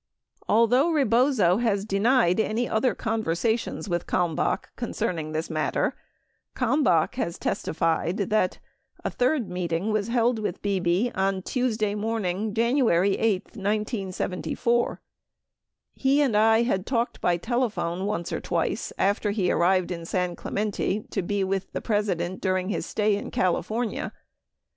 Although Rebozo has denied any other conversations with Kalm bach concerning this matter, Kalmbach has testified that: A third meeting was held with Bebe on Tuesday morning, January 8, 1974. He and I had talked bv telephone once or twice after he arrived in San Clemente to be with the President during his stay in California.